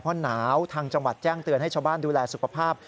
เพราะหนาวทางจังหวัดแจ้งเตือนให้ชาวบ้านดูแลสุขภาพ